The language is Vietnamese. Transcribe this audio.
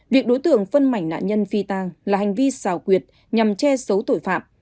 việc đối tượng phân mảnh nạn nhân phi tang là hành vi xào quyệt nhằm che giấu tội phạm